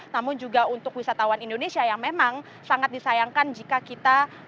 namun juga untuk wisatawan indonesia yang memang sangat disayangkan jika kita